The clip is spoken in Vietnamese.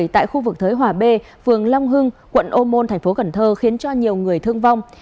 tại khu vực thới hòa b phường long hưng quận ô môn thành phố cần thơ khiến cho nhiều người thương vong